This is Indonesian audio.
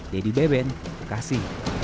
dedy beben bekasi